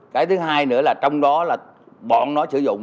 cái thứ hai nữa là trong đó là bọn nó sử dụng